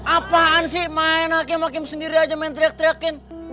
apaan sih main hakim hakim sendiri aja main teriak teriakin